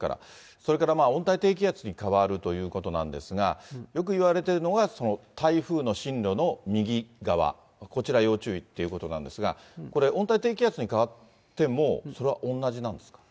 それから温帯低気圧に変わるということなんですが、よくいわれているのが、台風の進路の右側、こちら、要注意っていうことなんですが、これ、温帯低気圧に変わってもそれは同じなんですか？